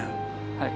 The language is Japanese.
はい。